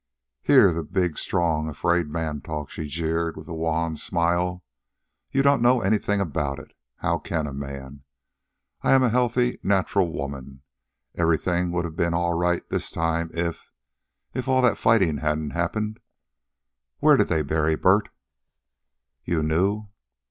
"Hear the big, strong, afraid man talk!" she jeered, with a wan smile. "You don't know anything about it. How can a man? I am a healthy, natural woman. Everything would have been all right this time if... if all that fighting hadn't happened. Where did they bury Bert?" "You knew?"